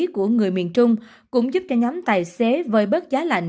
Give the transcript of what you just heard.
của người miền trung cũng giúp cho nhóm tài xế vơi bớt giá lạnh